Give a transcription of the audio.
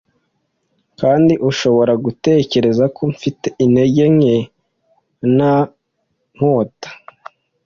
Kandi ushobora gutekereza ko mfite intege nke nta nkota